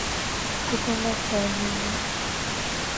Kukonda kwa mnyama